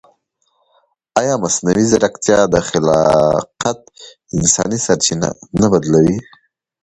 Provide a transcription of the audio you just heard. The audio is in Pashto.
ایا مصنوعي ځیرکتیا د خلاقیت انساني سرچینه نه بدلوي؟